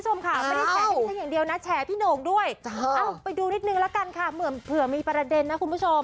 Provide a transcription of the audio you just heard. ออกมาแชร์แล้วหรอไปดูนิดนึงละกันค่ะเผื่อไม่มีประเด็นนะคุณผู้ชม